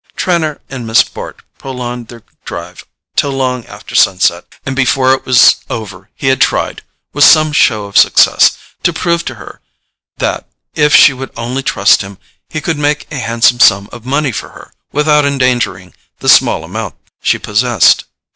Trenor and Miss Bart prolonged their drive till long after sunset; and before it was over he had tried, with some show of success, to prove to her that, if she would only trust him, he could make a handsome sum of money for her without endangering the small amount she possessed.